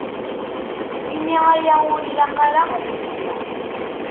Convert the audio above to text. Imi aya ur ilaq ara ad d-yili.